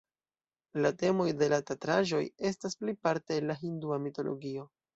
La temoj de la teatraĵoj estas plejparte el la hindua mitologio.